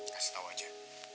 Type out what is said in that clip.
kasih tau aja